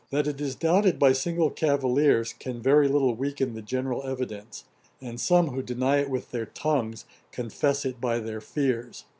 That it is doubted by single cavillers, can very little weaken the general evidence; and some who deny it with their tongues, confess it by their fears.'